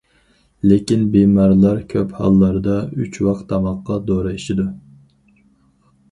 لېكىن، بىمارلار كۆپ ھاللاردا ئۈچ ۋاق تاماقتا دورا ئىچىدۇ.